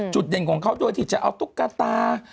จุดเด่นของเค้าด้วยที่จะเอาตุ๊กตา